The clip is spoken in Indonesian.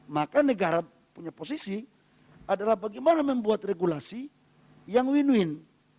maka negara punya posisi adalah bagaimana membuat regulasi yang win win